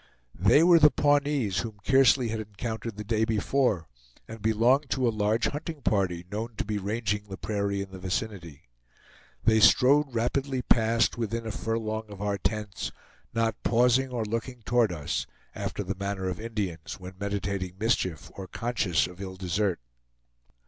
They were the Pawnees whom Kearsley had encountered the day before, and belonged to a large hunting party known to be ranging the prairie in the vicinity. They strode rapidly past, within a furlong of our tents, not pausing or looking toward us, after the manner of Indians when meditating mischief or conscious of ill desert.